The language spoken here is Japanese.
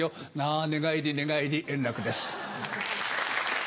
あ寝返り寝返り円楽です。